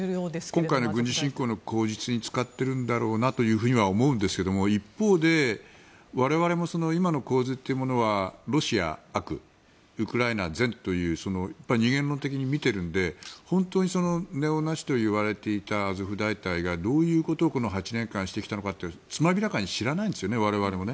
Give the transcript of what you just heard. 今回の軍事侵攻の口実に使ってるんだろうなとは思うんですけれども一方で我々も今の構図というものはロシアが悪ウクライナが善という二元論的に見ているので本当にネオナチと言われていたアゾフ大隊がどういうことを８年間してきたのかというのはつまびらかに知らないんですよね、我々も。